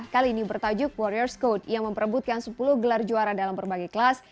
kali ini bertajuk warrior scode yang memperebutkan sepuluh gelar juara dalam berbagai kelas